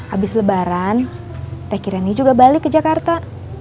abis lebaran teh kirani juga balik ke jakarta